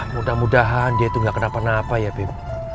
mudah mudahan dia itu gak kenapa napa ya beb